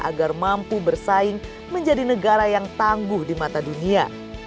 agar mampu bersaing menjadi negara yang tangguh di mata dunia